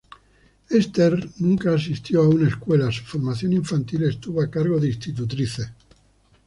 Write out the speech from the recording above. Ester nunca asistió a una escuela; su formación infantil estuvo a cargo de institutrices.